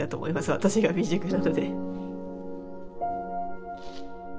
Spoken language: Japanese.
私が未熟なので。